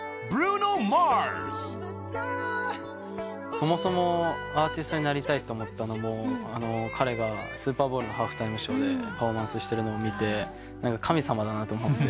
そもそもアーティストになりたいと思ったのも彼がスーパーボウルのハーフタイムショーでパフォーマンスしてるのを見て神様だなと思って。